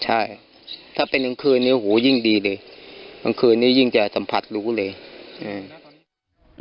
ใช่ถ้าเป็นกลางคืนนี้หูยิ่งดีเลยกลางคืนนี้ยิ่งจะสัมผัสรู้เลยอืม